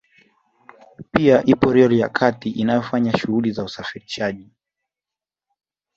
Pia ipo reli ya kati inayofanya shughuli za usafirishaji